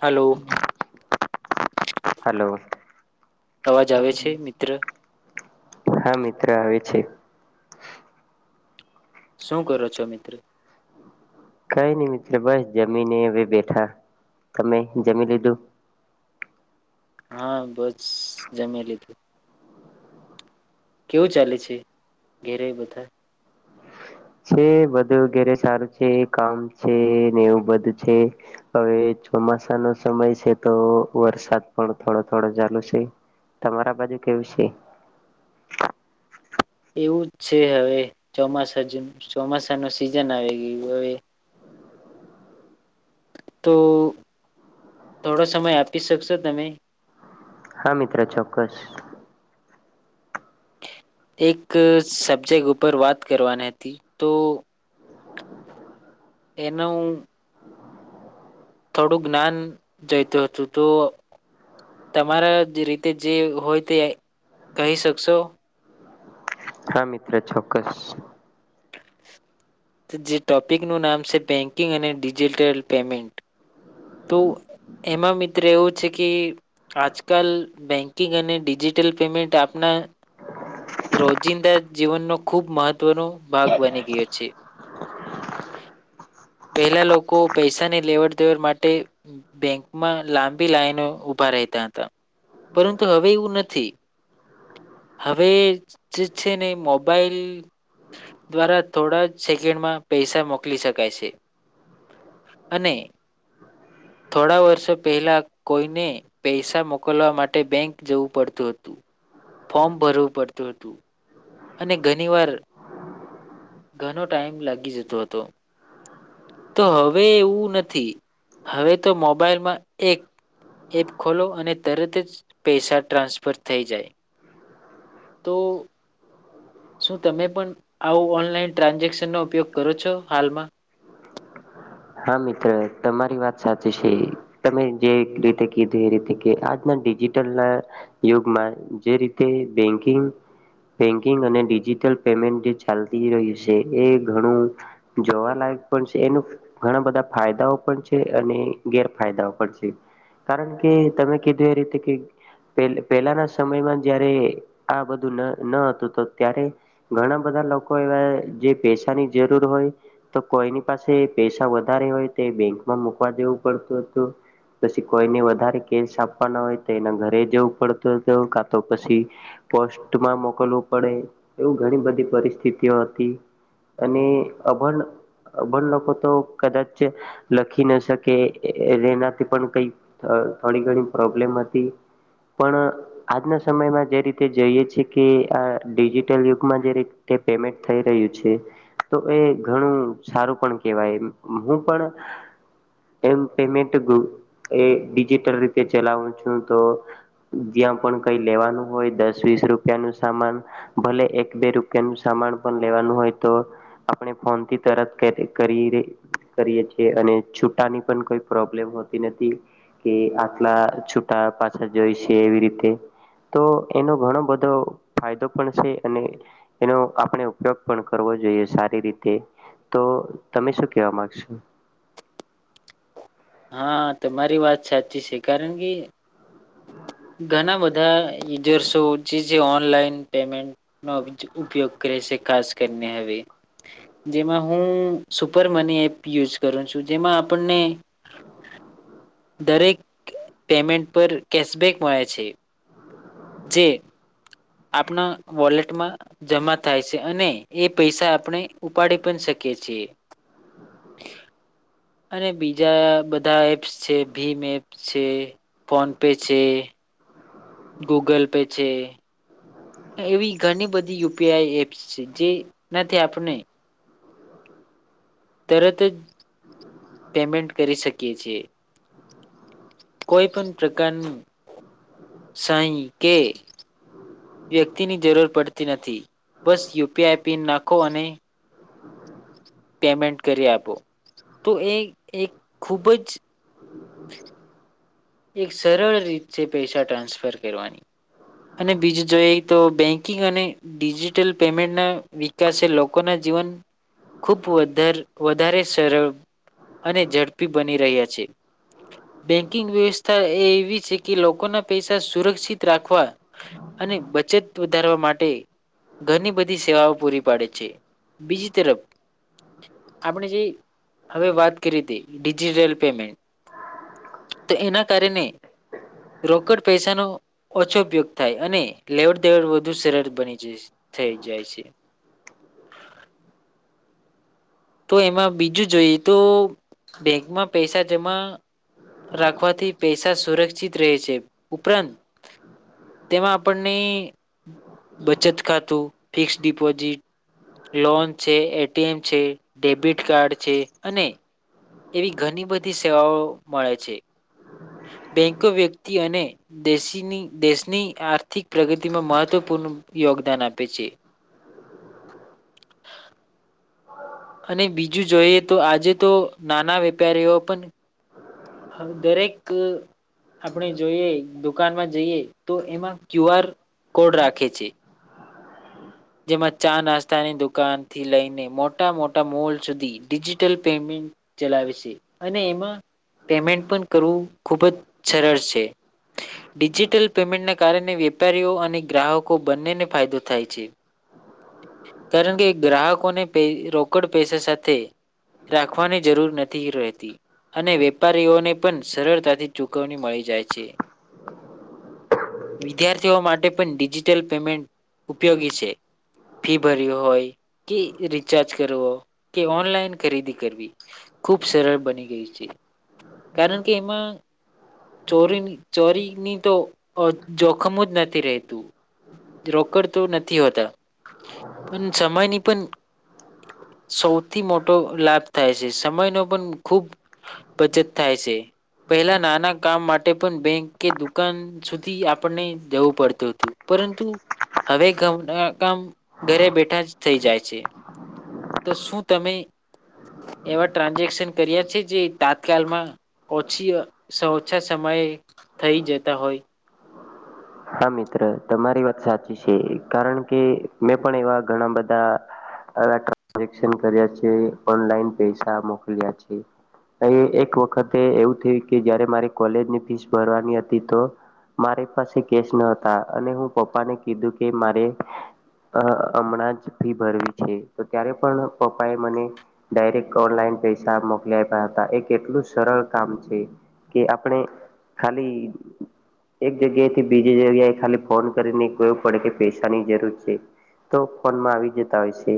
Hello. Hello અવાજ આવે છે મિત્ર. હા મિત્ર આવે છે. શું કરો છો મિત્ર. કઈ નઈ મિત્ર બસ જમીને હવે બેઠા તમે જમી લીધું? હા બસ જમી લીધું. કેવું ચાલે છે ઘેરે બધા? છે બધું ઘેરે સારું છે કામ છે ને એવું બધું છે હવે ચોમાસા નો સમય છે તો વરસાદ પણ થોડો થોડો ચાલુ છે તમારા બાજુ કેવું છે? એવું જ છે હવે ચોમાસા જ ચોમાસા ના સિઝન આવી ગયું હવે તો થોડો સમય આપી શકશો તમે? હા મિત્ર ચોક્કસ. એક સબ્જેક્ટ ઉપર વાત કરવાની હતી તો એનું થોડું જ્ઞાન જતું હતું તો તમારા જે રીતે જે હોય તે કહી શકશો? હા મિત્ર ચોક્કસ. જે ટોપિકનું નામ છે બેંકિંગ અને ડિજિટલ પેમેન્ટ. તો એમાં મિત્ર એવું છે કે આજકાલ બેંકિંગ અને ડિજિટલ પેમેન્ટ આપના રોજિંદા જીવનનો ખૂબ મહત્વનો ભાગ બની ગયો છે પહેલા લોકો પૈસાની લેવડ દેવડ માટે બેંકમાં લાંબી લાઈનો ઉઊભા રહેતા હતા પરંતુ હવે એવું નથી હવે છેને મોબાઈલ દ્વારા થોડા સેકન્ડમાં પૈસા મોકલી શકાય છે અને થોડા વર્ષો પહેલા કોઈને પૈસા મોકલવા માટે બેંક જવું પડતું હતું ફોર્મ ભરવું પડતું દોટું. અને ઘણી વાર ઘણો ટાઈમ લાગી જતો હતો તો હવે એવું નથી હવે તો મોબાઈલમાં એક એપ ખોલો અને તરત જ પૈસા ટ્રાન્સફર થઈ જાય તો શું તમે પણ આવું ઓનલાઈન ટ્રાન્ઝેક્શનનો ઉપયોગ કરો છો હાલમાં? હા મિત્ર તમારી વાત સાચી છે તમે જે રીતે કીધું એ રીતે કે આજના ડિજિટલ ના યુગમાં જે રીતે બેકિંગ બેન્કિંગ અને ડિજિટલ પેમેન્ટ જે ચાલતી રહ્યું છે એ ઘણું જોવાલાયક પણ છે એનું ઘણા બધા ફાયદાઓ પણ છે અને ગેરફાયદાઓ પણ છે કારણ કે તમે કીધું એ રીતે કે પહેલાના સમયમાં જારે આ બધું ન ન હતું તો ત્યારે ઘણા બધા લોકો એવા જે પૈસાની જરૂર હોય તો કોઈની પાસે પૈસા વધારે હોય તો બેંકમાં મુકવા જવું પડતું હતું પછી કોઈને વધારે કેસ આપવાના હોય તો એના ઘરે જવું પડતું હતું કા તો પછી પોસ્ટમાં મોકલવું પડે એવું ઘણી બધી પરિસ્થિતિઓ હતી અને અભણ અભણ લોકો તો કદાચ લખી ન શકે એનાથી પણ કઈક થોડી ઘણી પ્રોબ્લેમ હતી પણ આજના સમયમાં જે રીતે જઈએ છે કે આ ડિજિટલ યુગમાં જે રીતે પેમેન્ટ થઈ રહ્યું છે તો એ ઘણું સારું પણ કેવાય હું પણ એમ પેમેન્ટ એ ડીજિટલ રીતે ચલાવું છું તો જ્યાં પણ કઈ લેવાનું હોય દસ વીસ રૂપિયાનું સામાન ભલે એક બે રૂપિયાનું સામાન પણ લેવાનું હોય તો આપણે ફોન થી તરત કરી કરીએ છીએ અને છૂટાની પણ કોઈ પ્રોબ્લેમ હોતી નથી કે આટલા છૂટા પાછા જોઈ છે એવી રીતે તો એનો ઘણો બધો ફાયદો પણ છે અને એનો આપણે ઉપયોગ પણ કરવો જોઈએ સારી રીતે તો તમે શું કેવા માંગશો? હા તમા મારી વાત સાચી છે કારણ કે ઘણા બધા બધા યુર્સ જે ઓનલાઈન પેમેન્ટ ન ઉપયોગ કરે છે ખાસ કરીને હવે જેમાં હું સુપર મની એપ યુઝ કરું છું જેમાં આપણને દરેક પેમેન્ટ પર કેશબેક મળે છે. જેે આપણા વોલેટમાં જમા થાય છે અને એ પૈસા આપણે ઉપાડી પણ શકીએ છીએ અને બીજા બધા એપ્સ છે ભીમ એપ છે ફોનપે છે. ગૂગલ પે છે. એવી ઘણી બધી યુપીઆઈ એપ્સ છે જે નથી આપણે તરત જ પેમેન્ટ કરી શકીએ છેીએ કોઈ પણ પ્રકારનું સહી કે વ્યક્તિની જરૂર પડતી નથી બસ યુપીઆઈ પિન નાખો અને પેમેન્ટ કરી આપો તો એ એક ખુબ જ [inaudible] એક સરળ રીતેતે પૈસા ટ્રાન્સફર કરવાની. અને બીજું જોઈ તો બેંકિંગ અને ડિજીિટલ પેમેન્ટના વિકાસ લોકોના જીવન ખુબારે વધારે સરળ અને ઝડપી બની રહ્યા છે બેંકિંગ વ્યવસ્થા એ એવી છે કે લોકોના પૈસા સુરક્ષિત રાખવા અને બચત વધારવા માટે ઘરની બધી સેવાઓ પૂરી પાડે છે બીજી તરફ આપણે જે હવે વાત કરી હતી ડિજિટલ પેમેન્ટ તો એના કારણે રોકડ પૈસાનો ઓછો ઉપયોગ થાય અને લેવડ દેવડ વધુ સરળ બની જ થઈ જાય છે. તો એમાં બીજું જોઈએ તો બેંકમાં પૈસા જમા રાખવાથી પૈસા સુરક્ષિત રહે છે ઉપરાંત તેમાં આપણની બચત ખાતું ફિક્સ ડિપોઝિટ લોન છે એટીએમ છે ડેબિટ કાર્ડ છે અને એવી ઘણી બધી સેવાઓ મળે છે. બેંકો વ્યક્તિ અને દેશીની દેશની આર્થિક પ્રગતિમાં મહત્વપૂર્ણ યોગદાન આપે છે. અને બીજ બીજ જોઈએ તો આજે તો નાના વેપારીઓ પણ દરેક આપણે જોઈએ દુકાનમાં જઈએ તો એમાં ક્યુ આર કોડ રાખે છે જેમાં ચા નાસ્તાની દુકાનથી લઈને મોટા મોટા મોલ સુધી ડિજિટલ પેમેન્ટ ચલાવે છે અને એમાં પેમેન્ટ પણ કરવું ખૂબ જ સરળ છે ડિજિટલ પેમેન્ટના કારણે વેપારીઓ અને ગ્રાહકો બંનેને ફાયદો થાય છે, કારણ કે ગ્રાહકોને રોકડ પૈસા સાથે રાખવાની જરૂર નથી રહેતી અને વ્યપ વેપારીઓને પણ સરળતાથી ચુકવણી મળી જાય છે. વિદ્યાર્થીઓ માટે ડિજિટલ પેમેન્ટ ઉપયોગી છે, ફી ભરવું હોય કે રિચાર્જ કરવો કે ઓનલાઈન ખરીદી કરવી, ખુબ સરળ બની ગઈ છે. કારણ કે એમાં ચોરી ચોરીની તો જોખમ જ નથી રહેતું. રોકડ તો નથી હોતા પણ સમયની પણ સૌથી મોટો લાભ થાય છે. સમયનો પણ ખૂબ બચત થાય છે. પહેલા નાના કામ માટે પણ બેંક કે દુકાન સુધી આપણને જવું પડતું હતું. પરંતુ હવે ઘરના કામ ઘરે બેઠા જ થઈ જાય છે. તો શું તમે એવા ટ્રાન્ઝેક્શન કર્યા છે જે. તાત્કાલમાં, ઓછી-ઓછા સમયે થઈ જતા હોય. હા મિત્ર, તમારી વાત સાચી છે, કારણ કે મેં પણ એવા ઘણા બધા ટ્રન્ઝેક્શન કર્યા છે ઓનલાઈન પૈસા મોકલ્યા છે. એક વખતે એવું થયું કે જયારે મારી કોલેજની ફીસ ભરવાની હતી, તો મારી પાસે કેશ ના હતા અને હું પપ્પાને કીધું કે મારે હ હમણાં જ ફી ભરવી છે, તો ત્યારે પણ પપ્પા એ મને ડાયરેક્ટ ઓનલાઇન પૈસા મોકલી આપ્યા હતા. એક એટલું સરળ કામ છે કે, આપણે ખાલી એક જગ્યાએ બીજી જગ્યાએ ખાલી ફોન કરીને કવું પડે કે પૈસાની જરૂર છે, તો ફોનમાં આવી જતા હોય છે.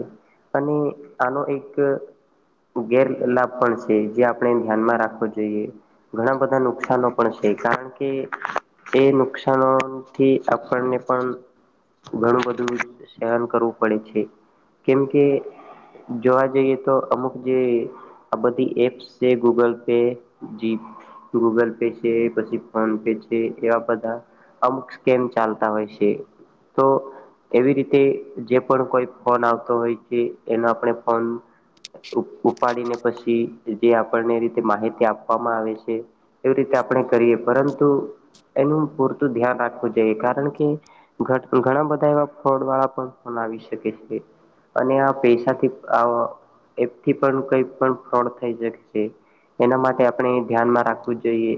અને આનો એક ગેરલાાભ પણ છે જે આપણે ધ્યાનમાં રાખવો જોઈએ. ઘણા બધા નુકસાનો પણ છે, કારણ કે એ નુકસ હા થી આપણને પણ ઘણું બધું સહન કરવું પડે છે, કેમકે જોવા જઈએ તો અમુક જે આ બધી એપ્સ છે ગૂગલ પે, જી ગૂગલ પે છે પછી ફોન પે છે એવા બધા અમુક સ્કેમ ચાલતા હોય છે તો એવી રીતે જે પણ કોઈ ફોન આવતો હોય છે એનો આપણે ફોન ઉપ ઉપાડીને પછી જે આપણને રીતે માહિતી આપવામાં આવે છે એવી રીતે આપણે કરીએ પરંતુ એનું પુ ધ્યાન રાખવું જોઈએ, કારણ કે ઘણા બધા એવા ફ્રોડ વાળા પણ ફોન આવી શકે છે, અને આ પૈસાથી અ એપથી પણ કઈ પણ ફોડ થઈ શકે છે. એના માટે આપણે ધ્યાનમાં રાખવું જોઈએ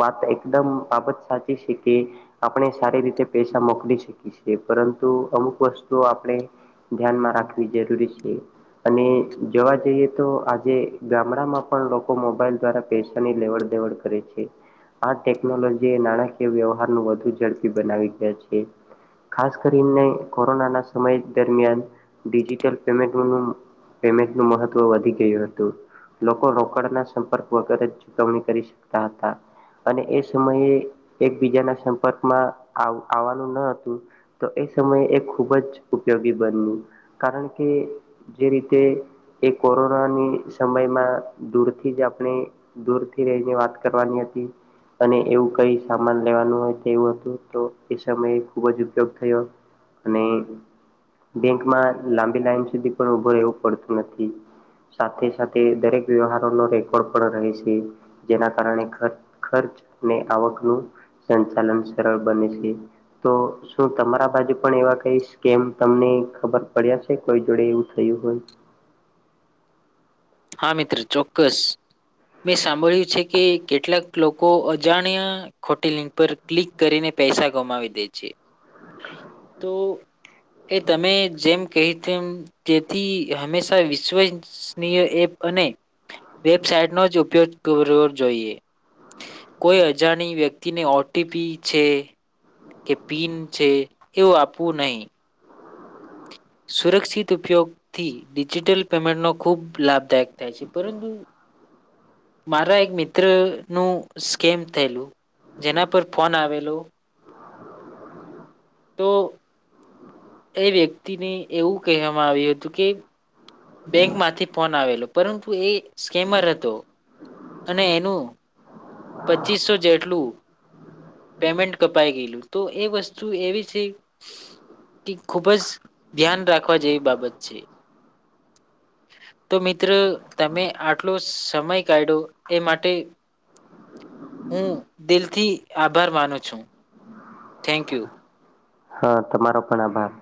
વાત એકદમ બાબત સાચી. શકિઈ આપણે સારી રીતે પૈસા મોકલી શકી છે, પરંતુ અમુક વસ્તુઓ આપણે ધ્યાનમાં રાખવી જરૂરી છે. અને જોવા જઈએ તો આજે ગામડામાં પણ લોકો મોબાઈલ દ્વારા પૈસાની લેવડદેવડ કરે છે. આ ટેકનોલોજી એ નાણાકીય વ્યવહાર વધુ ઝડપી બનાવી ગયા છે. ખાસ કરીને કોરોનાના સમય દરમિયાન ડિજિટલ પેમેન્ટેમેન્ટ ન મહત્વ વધી ગયું હતું. લોકો રોકડના સંપર્ક વગર જ ચુકવણી કરી શકતા હતા, અને એ સમયે એકબીજાના સંપર્કમાં આવ આવવાનું ન હતું, તો એ સમયે એ ખૂબ જ ઉપયોગી બન્યું. કારણ કે જે રીતે એ કોરોનાની સમયમાં દૂરથી જ આપણે દૂરથી રહીને વાત કરવાની હતી, અને એવું કંઈ સમ્માન લેવાનું તે હતું તો એ સમયે ખુબ જ ઉપયોગ થયો. અને બેંકમાં લાંબી લાઈન સુધી પણ ઉભા રહેવું પડતું નથી. સાથે સાથે દરેક વ્યવહારો નો રેકોર્ડ પણ રહે છે, જેના કારણે ખચૅ ખર્ચ ને આવક નુ સંચાલન સરળ બને છે. તો શું તમારા બાજુ પણ એવા કઈ સ્કેમ તમને ખબર પડ્યા છે? કોઈ જોડે એવું થયું હોય? હા, મિત્ર ચોક્કસ મેં સાંભળ્યું છે કે કેટલાક લોકો અજાણ્યા ખોટી લિંક પર ક્લિક કરીને પૈસા ગુમાવી દે છે. તો એ તમે જેમ કહી તેમ તેથી હંમેશા વિશ્વસનીય એપ અને વેબસાઇટ નો જ ઉપયોગ કરવો જોઈએ. કોઈ અજાણી વ્યક્તિને ઓટીપી છે. કે પીન છે એવું આપવું નહી. સુરક્ષિત ઉપયોગથી ડિજિટલ પેમેન્ટ ન ખૂબ લાભદાયક થાય છે. પરંતુ મારા એક મિત્ર નું સ્કેમ થયેલું, જેના પર ફોન આવેલો તો. એ વ્યક્તિને એવું કહેવામાં આવ્યું હતું કે બેંકમાંથી ફોન આવેલો, પરંતુ એ સ્કેમર હતો અને એનું પચીસસો જેટલું. પેમેન્ટ કપાઈ ગયેલું, તો એ વસ્તુ એવી છે કે ખુબ જ ધ્યાન રાખવા જેવી બાબત છે. તો મિત્ર, તમે આટલો સમય કાઢ્યો એ માટે હું દિલથી આભાર માનું છું, થેન્કયુ. હા, તમારો પણ આભાર.